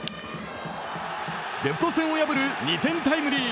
レフト線を破る２点タイムリー。